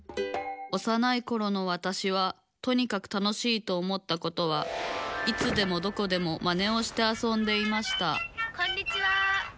おさないころのわたしはとにかく楽しいと思ったことはいつでもどこでもマネをしてあそんでいましたこんにちは。